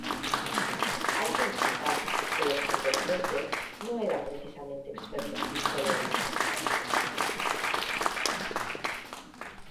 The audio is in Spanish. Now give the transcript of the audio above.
Hay que destacar que los contendientes no eran precisamente expertos pistoleros.